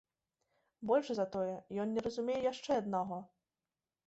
Больш за тое, ён не разумее яшчэ аднаго.